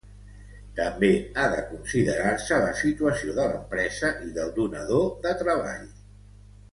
També ha de considerar-se la situació de l'empresa i del donador de treball.